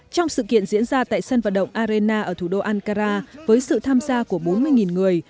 trong sự kiện diễn ra tại sân vận động arena ở thủ đô ankara với sự tham gia của bốn mươi người